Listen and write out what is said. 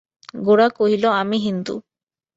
গোরা কহিল, আমি হিন্দু।